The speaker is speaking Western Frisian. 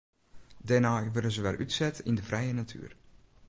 Dêrnei wurde se wer útset yn de frije natuer.